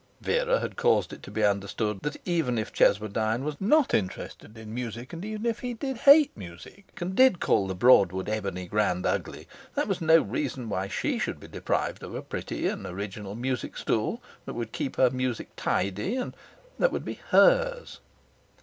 Vera had caused it to be understood that even if Cheswardine was NOT interested in music, even if he did hate music and did call the Broadwood ebony grand ugly, that was no reason why she should be deprived of a pretty and original music stool that would keep her music tidy and that would be HERS.